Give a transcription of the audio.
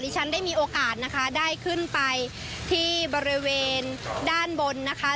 ฉันได้มีโอกาสนะคะได้ขึ้นไปที่บริเวณด้านบนนะคะ